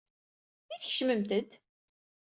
I tkecmemt-d?